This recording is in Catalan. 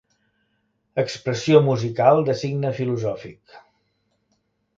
Expressió musical de signe filosòfic.